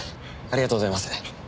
ありがとうございます。